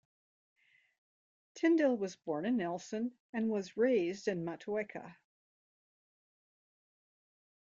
Tindill was born in Nelson and was raised in Motueka.